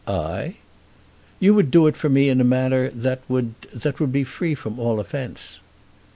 "I?" "You would do it for me in a manner that that would be free from all offence."